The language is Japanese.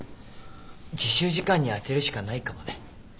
自習時間に充てるしかないかもね。